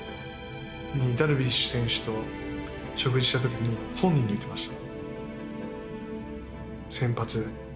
ダルビッシュ選手と食事した時に本人に言ってました。